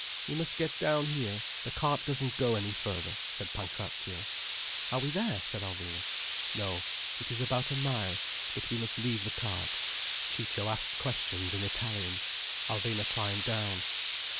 "We must get down here—the cart doesn't go any further," said Pancrazio. "Are we there?" said Alvina. "No, it is about a mile. But we must leave the cart." Ciccio asked questions in Italian. Alvina climbed down.